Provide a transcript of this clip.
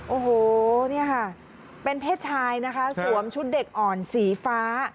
โอ้โหเนี่ยค่ะเป็นเพศชายนะคะสวมชุดเด็กอ่อนสีฟ้า